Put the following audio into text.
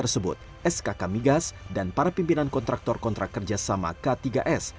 skk migas dan para pimpinan kontraktor kontrak kerjasama k tiga s